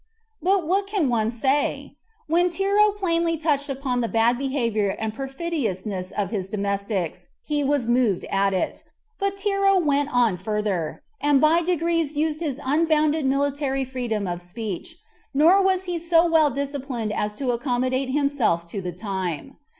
But what can one say? When Tero plainly touched upon the bad behavior and perfidiousness of his domestics, he was moved at it; but Tero went on further, and by degrees used an unbounded military freedom of speech, nor was he so well disciplined as to accommodate himself to the time.